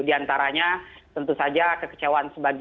di antaranya tentu saja kekecewaan sebagian